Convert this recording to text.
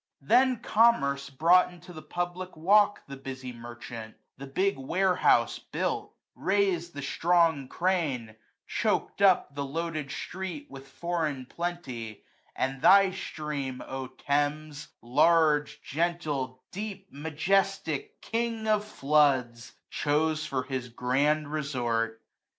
Then Commerce brought into the public walk The busy merchant ; the big warehouse built ; 119 Raised the strong crane ; choak'd up the loaded street With foreign plenty ; and thy stream, O Thames, Large, gentle, deep, majestic, king of floods i Chose for his grand resort.